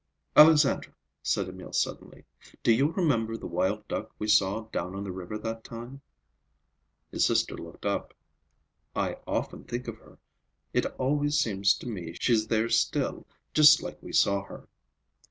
"Alexandra," said Emil suddenly, "do you remember the wild duck we saw down on the river that time?" His sister looked up. "I often think of her. It always seems to me she's there still, just like we saw her."